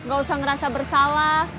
gak usah merasa bersalah